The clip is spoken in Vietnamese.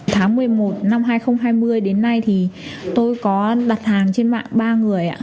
tháng một mươi một năm hai nghìn hai mươi đến nay thì tôi có đặt hàng trên mạng ba người ạ